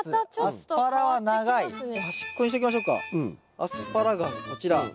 アスパラガスこちら。